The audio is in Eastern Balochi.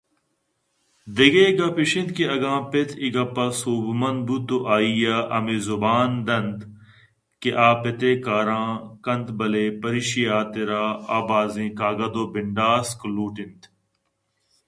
دگہ گپے ایش اِنت کہ اگاں پت اے گپ ءَ سوب مند بوت ءُآئیءَ ہمے زبان دنت کہ آپت ءِ کاران کنت بلئے پریشی ءِ حاترا آبازیں کاگد ءُبنڈاسک لوٹ اِنت